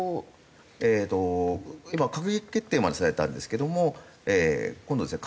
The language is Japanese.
今閣議決定までされたんですけども今度ですね